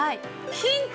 ヒント？